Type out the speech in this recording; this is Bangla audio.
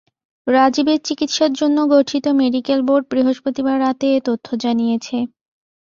রাজীবের চিকিৎসার জন্য গঠিত মেডিকেল বোর্ড বৃহস্পতিবার রাতে এ তথ্য জানিয়েছে।